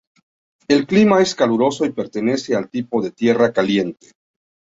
El Clima es caluroso y pertenece al tipo de tierra caliente.